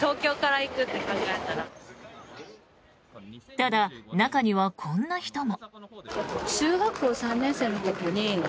ただ、中にはこんな人も。